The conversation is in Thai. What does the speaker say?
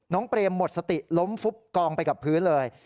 เปรมหมดสติล้มฟุบกองไปกับพื้นเลย